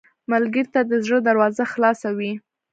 ملګری ته د زړه دروازه خلاصه وي